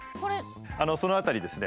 その辺りですね